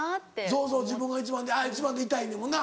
そうそう自分が１番でいたいねんもんな。